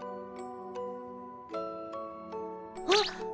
あっ。